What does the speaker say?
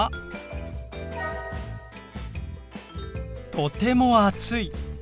とても暑い。